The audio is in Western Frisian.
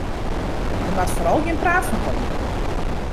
Der moat foaral gjin praat fan komme.